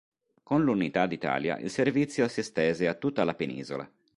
Con l'unità d'Italia il servizio si estese a tutta la penisola.